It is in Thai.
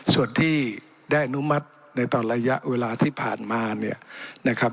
ส่วนที่ได้อนุมัติในตอนระยะเวลาที่ผ่านมา